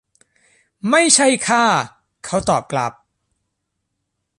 ไม่ใช่ข้า เขาตอบกลับ